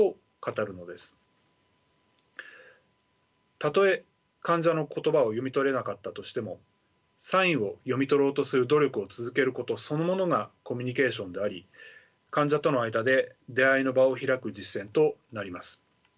たとえ患者の言葉を読み取れなかったとしてもサインを読み取ろうとする努力を続けることそのものがコミュニケーションであり患者との間で「出会いの場」を開く実践となります。